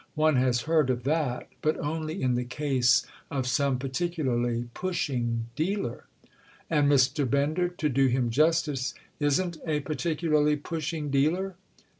"One has heard of that, but only in the case of some particularly pushing dealer." "And Mr. Bender, to do him justice, isn't a particularly pushing dealer?"